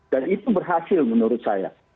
dan itu berhasil menurut saya